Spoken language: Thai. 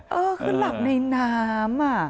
คือหลับในน้ำ